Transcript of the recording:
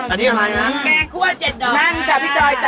อันนี้อะไรฮะแกงคั่ว๗ดอกนั่งจ้ะพี่จอยจ้